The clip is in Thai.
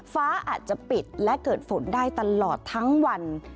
ฟ้าอาจจะปิดและเกิดฝนได้ตลอดทั้งวัน